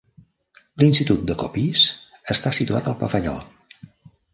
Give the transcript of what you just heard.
L'institut de Coppice està situat al pavelló.